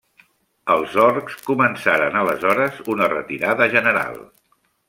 Els orcs començaren aleshores una retirada general.